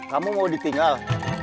kamu mau ditinggal